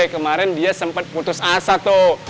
kemarin dia sempat putus asa tuh